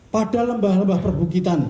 pada lembah lembah perbukitan